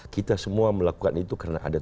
kita semua melakukan itu karena ada